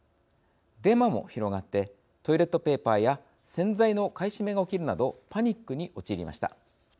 デマも広がってトイレットペーパーや洗剤の買い占めが起きるなどパニックに陥りました。